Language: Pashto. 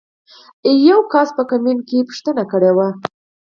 يو تن پۀ کمنټ کښې تپوس کړے وۀ